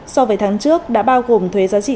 so với tháng trước đã bao gồm thuế giá trị